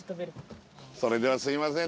それではすいません